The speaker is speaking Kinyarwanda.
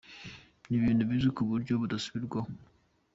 Ni ibintu bizwi ku buryo budasubirwaho.